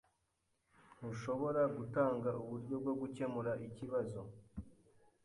Ntushobora gutanga uburyo bwo gukemura ikibazo?